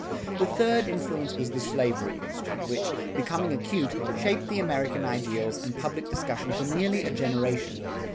The third influence was the slavery question which, becoming acute, shaped the American ideals and public discussion for nearly a generation.